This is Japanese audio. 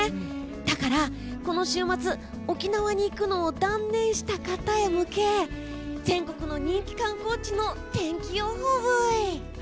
だから、この週末沖縄に行くのを断念した方へ向け全国の人気観光地の天気予報ブイ！